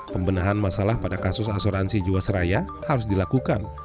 pembenahan masalah pada kasus asuransi jiwasraya harus dilakukan